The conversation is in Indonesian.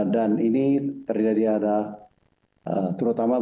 dan ini terdiri dari ada terutama berat